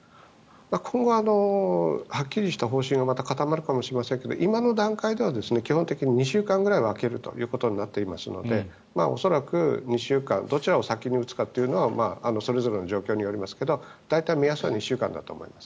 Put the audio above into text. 今後、はっきりした方針はまた固まるかもしれませんが今の段階では基本的に２週間くらい空けることになっていますので恐らく２週間どちらを先に打つのかというのはそれぞれの状況によりますけど大体、目安は２週間だと思います。